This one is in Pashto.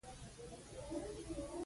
برېکس یوه کرنسۍ ده